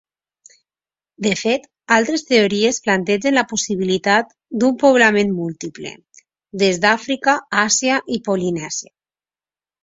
De fet, altres teories plantegen la possibilitat d'un poblament múltiple, des d'Àfrica, Àsia i Polinèsia.